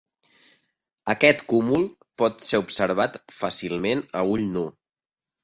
Aquest cúmul pot ser observat fàcilment a ull nu.